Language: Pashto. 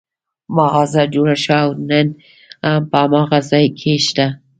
مغازه جوړه شوه او نن هم په هماغه ځای کې شته.